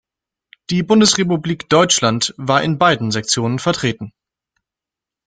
Die Bundesrepublik Deutschland war in beiden Sektionen vertreten.